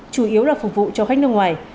chủ yếu là phục vụ cho khách nước ngoài